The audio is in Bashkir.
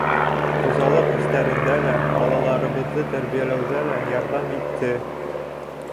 Хужалыҡ эштәрендә лә, балаларыбыҙҙы тәрбиәләүҙә лә ярҙам итте.